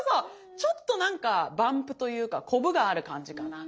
ちょっとなんかバンプというかこぶがある感じかな。